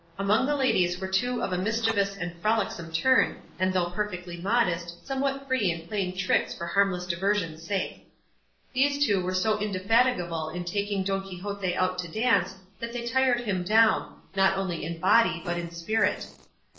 Among the ladies were two of a mischievous and frolicsome turn, and, though perfectly modest, somewhat free in playing tricks for harmless diversion's sake. These two were so indefatigable in taking Don Quixote out to dance that they tired him down, not only in body but in spirit.